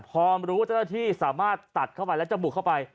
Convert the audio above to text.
พอรู้ว่าเจ้าหน้าที่สามารถตัดเข้าไปแล้วจะบุกเข้าไป